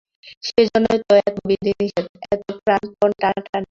সেইজন্যেই তো এত বিধিনিষেধ, এত প্রাণপণ টানাটানি।